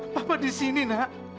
bapak di sini nak